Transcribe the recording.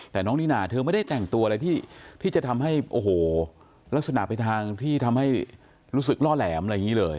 แต่น้องนิน่าเธอไม่ได้แต่งตัวอะไรที่จะทำให้โอ้โหลักษณะไปทางที่ทำให้รู้สึกล่อแหลมอะไรอย่างนี้เลย